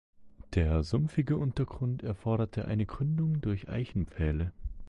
Der sumpfige Untergrund erforderte eine Gründung durch Eichenpfähle.